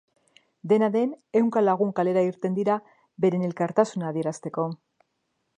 Dena den, ehunka lagun kalera irten dira beren elkartasuna adierazteko.